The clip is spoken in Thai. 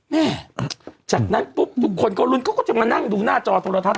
จากนั้นปุ๊บทุกคนก็ลุ้นเขาก็จะมานั่งดูหน้าจอโทรทัศน